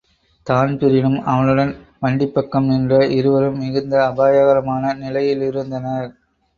தான்பிரீனும் அவனுடன் வண்டிப் பக்கம் நின்ற இருவரும் மிகுந்த அபாயகரமான நிலையிலிருந்தனர்.